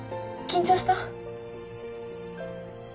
緊張した？